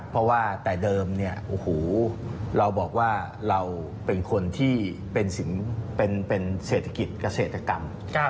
เพราะว่าแต่เดิมเนี่ยโอ้โหเราบอกว่าเราเป็นคนที่เป็นเศรษฐกิจเกษตรกรรม